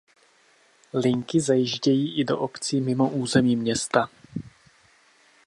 Linky zajíždějí i do obcí mimo území města.